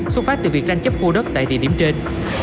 xuất phát từ việc tranh chấp khu đất tại địa điểm trên